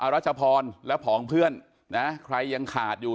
รัชพรและผองเพื่อนนะใครยังขาดอยู่